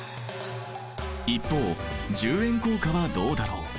一方１０円硬貨はどうだろう？